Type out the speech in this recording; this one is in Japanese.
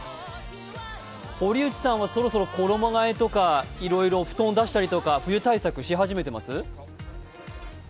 堀内さんはそろそろ衣がえとか、いろいろ、布団を出したりとか冬対策し始めています？